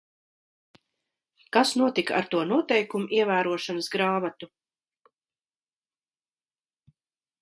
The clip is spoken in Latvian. "Kas notika ar to "noteikumu ievērošanas grāmatu"?"